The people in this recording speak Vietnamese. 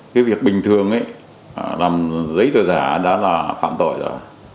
cái việc bình thường ấy làm giấy tờ giả đã là phạm tội rồi